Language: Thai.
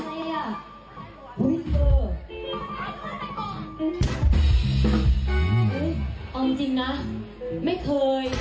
เอาจริงนะไม่เคย